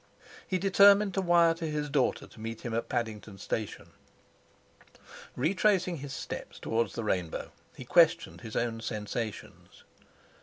He determined to wire to his daughter to meet him at Paddington Station. Retracing his steps towards the Rainbow he questioned his own sensations.